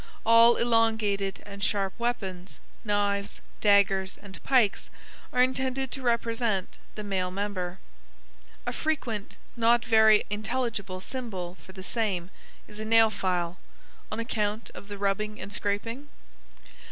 all elongated and sharp weapons, knives, daggers, and pikes, are intended to represent the male member. A frequent, not very intelligible, symbol for the same is a nail file (on account of the rubbing and scraping?).